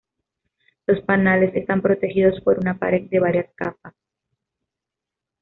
Los panales están protegidos por una pared de varias capas.